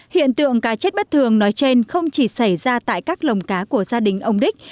hiện tượng cá chết bất thường nói trên không chỉ xảy ra tại các lồng cá của gia đình ông đích